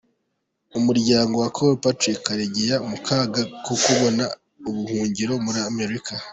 Umuryango wa Col. Patrick Karegeya mu kaga ko kubona ubuhungiro muri Amerika.